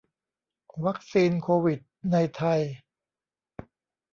วัคซีนโควิดในไทย